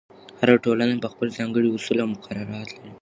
هر ټولنه خپل ځانګړي اصول او مقررات لري.